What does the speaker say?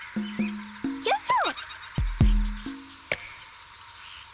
よいしょ。